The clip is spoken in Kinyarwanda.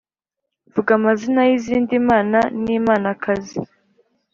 vuga amazina y’izindi mana n’imanakazi